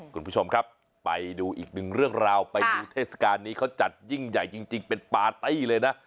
คุณผู้ชมครับไปดูอีกหนึ่งเรื่องราวไปดูเทศกาลนี้เขาจัดยิ่งใหญ่จริงเป็นปาร์ตี้เลยนะ